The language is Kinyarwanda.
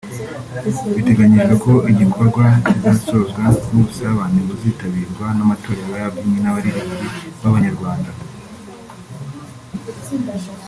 Biteganyijwe ko igikorwa kizasozwa n’ubusabane buzitabirwa n’amatorero y’ababyinnyi n’abaririmbyi b’Abanyarwanda